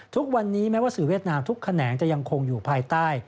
ทุกวันนี้แม้ว่าสื่อเวียดนามทุกแขนงจะยังคงอยู่ภายใต้